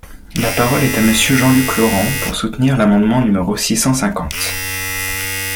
La parole est à Monsieur Jean-Luc Laurent, pour soutenir l’amendement numéro six cent cinquante.